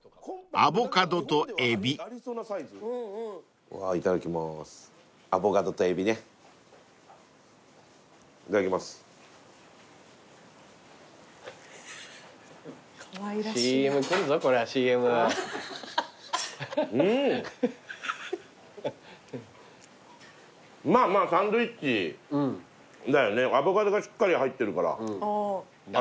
アボカドがしっかり入ってるから合いますよね。